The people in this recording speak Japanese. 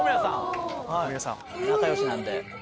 仲良しなんで。